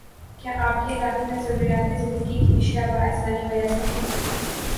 کیا آپ کے علاقے میں ضروریاتِ زندگی کی اشیاء باآسانی میسر ہیں؟